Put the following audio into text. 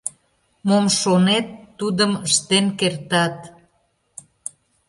Мом шонет, тудым ыштен кертат...